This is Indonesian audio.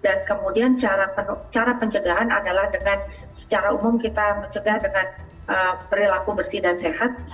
dan kemudian cara penjagaan adalah dengan secara umum kita mencegah dengan perilaku bersih dan sehat